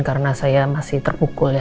karena saya masih terpukul ya